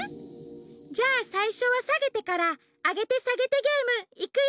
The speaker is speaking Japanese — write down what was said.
じゃあさいしょはさげてからあげてさげてゲームいくよ！